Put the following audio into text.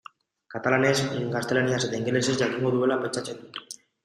Katalanez, gaztelaniaz eta ingelesez jakingo duela pentsatzen dut.